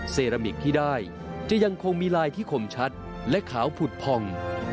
เซรามิกที่ได้จะยังคงมีลายที่ข่มชัดและขาวผุดผ่อง